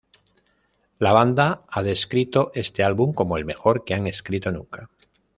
La banda ha descrito este álbum como el mejor que han escrito nunca.